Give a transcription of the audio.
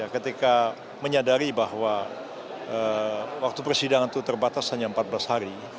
ketika menyadari bahwa waktu persidangan itu terbatas hanya empat belas hari